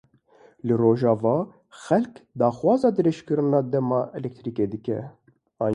Li Rojava xelk daxwaza dirêjkirina dema elektrîkê dike.